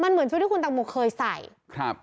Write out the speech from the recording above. มันเหมือนชุดที่คุณตังโมเคยใส่ครับ